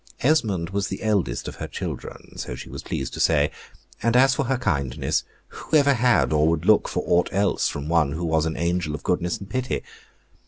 Esmond was the eldest of her children, so she was pleased to say; and as for her kindness, who ever had or would look for aught else from one who was an angel of goodness and pity?